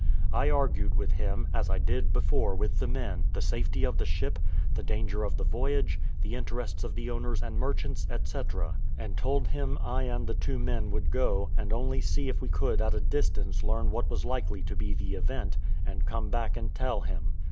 I argued with him, as I did before with the men, the safety of the ship, the danger of the voyage, the interests of the owners and merchants, &c., and told him I and the two men would go, and only see if we could at a distance learn what was likely to be the event, and come back and tell him.